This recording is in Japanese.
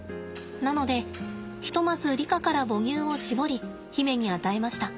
なのでひとまずリカから母乳を搾り媛に与えました。